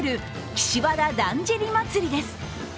岸和田だんじり祭です。